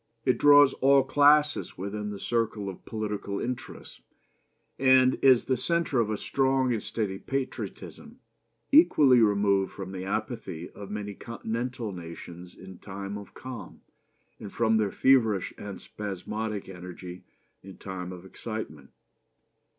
It draws all classes within the circle of political interests, and is the centre of a strong and steady patriotism, equally removed from the apathy of many Continental nations in time of calm, and from their feverish and spasmodic energy in time of excitement.